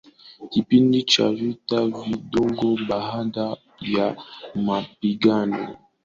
Kipindi cha vita vidogo Baada ya mapigano Mkwawa alihesabu wafu wake waliokuwa wengi